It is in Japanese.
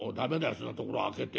そんなところ開けて。